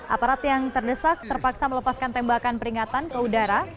aparat yang terdesak terpaksa melepaskan tembakan peringatan ke udara